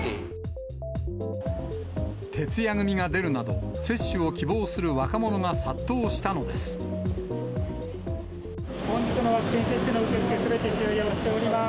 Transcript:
徹夜組が出るなど、接種を希望する若者が殺到したのです。